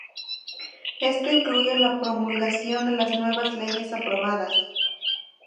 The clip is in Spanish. Esto incluye la promulgación de las nuevas leyes aprobadas.